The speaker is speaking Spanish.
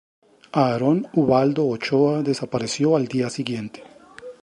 Aarón Ubaldo Ochoa desapareció al día siguiente.